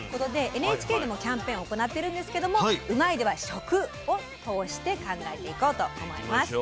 ＮＨＫでもキャンペーンを行っているんですが「うまいッ！」では食を通して考えていこうと思います。